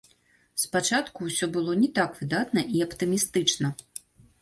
Спачатку ўсё было не так выдатна і аптымістычна.